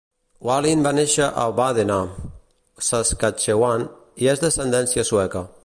Wallin va néixer a Wadena, Saskatchewan, i és d'ascendència sueca.